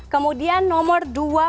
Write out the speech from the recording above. kemudian nomor dua puluh empat